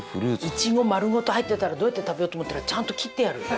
イチゴ丸ごと入ってたらどうやって食べようと思ったらちゃんと切ってある！